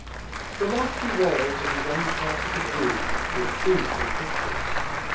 The lofty walls of his uncarpeted room were free from pictures.